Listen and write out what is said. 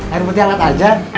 air putih alat aja